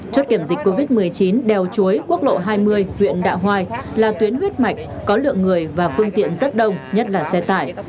chốt kiểm dịch covid một mươi chín đèo chuối quốc lộ hai mươi huyện đạ hoai là tuyến huyết mạch có lượng người và phương tiện rất đông nhất là xe tải